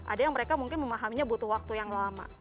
ada yang mereka mungkin memahaminya butuh waktu yang lama